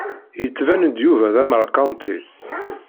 Yettban-d Yuba d amarkanti.